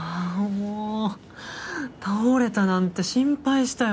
もう倒れたなんて心配したよ。